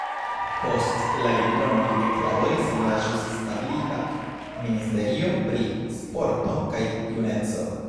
Post la diplomo li eklaboris en la ĵus establita ministerio pri sporto kaj juneco.